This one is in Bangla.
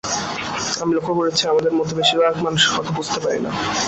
আমি লক্ষ করেছি, আমাদের মধ্যে বেশির ভাগই মানুষের কথা বুঝতে পারি না।